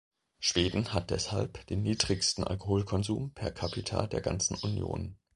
Schweden hat deshalb den niedrigsten Alkoholkonsum per capita der ganzen Union.